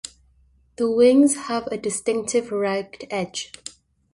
The wings have a distinctive ragged edge.